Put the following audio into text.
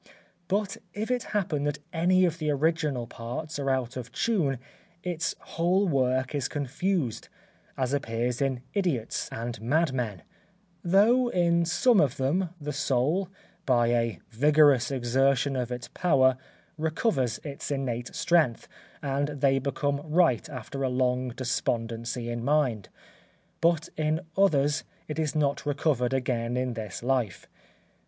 But if it happen that any of the original parts are out of tune, its whole work is confused, as appears in idiots and mad men; though, in some of them, the soul, by a vigorous exertion of its power, recovers its innate strength and they become right after a long despondency in mind, but in others it is not recovered again in this life.